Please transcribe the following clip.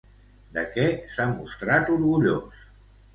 De què s'ha mostrat orgullós?